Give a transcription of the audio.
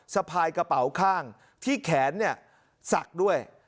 สะพายกระเป๋าข้างที่แขนเนี่ยสักด้วย